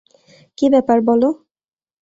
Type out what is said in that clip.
কি ব্যাপার বল।